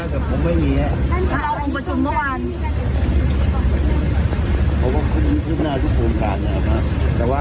แต่ผมไม่มีน่ะมันพูดมาวันคุณคุณการอะไรแต่ว่า